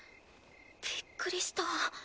びっくりした。